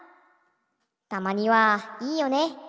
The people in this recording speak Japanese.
たまにはいいよね。